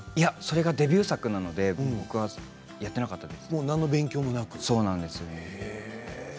それがデビュー作なので僕はやってなかったです。